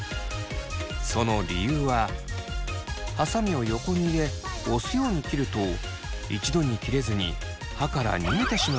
その理由ははさみを横に入れ押すように切ると一度に切れずに刃から逃げてしまう髪が出てしまいます。